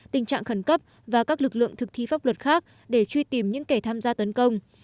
tình trạng khẩn cấp và các lực lượng thực thi pháp luật khác để truy tìm những kẻ tham gia tấn công